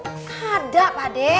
gak ada pak de